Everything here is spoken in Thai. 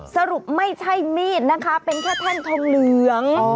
สรุปไม่ใช่มีดนะคะเป็นแค่แท่นทองเหลือง